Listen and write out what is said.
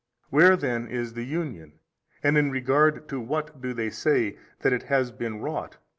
Where then is the Union and in regard to what do they say that it has been wrought?